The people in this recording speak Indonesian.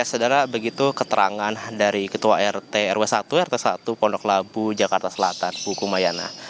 saudara begitu keterangan dari ketua rt rw satu rt satu pondok labu jakarta selatan bu kumayana